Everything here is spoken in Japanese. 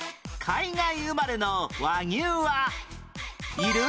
海外生まれの和牛はいる？